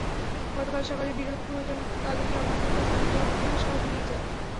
গতকাল সকালে বিরোধপূর্ণ জমিতে তালিফ জমাদ্দার কোরবানির গরুকে ঘাস খাওয়াতে নিয়ে যায়।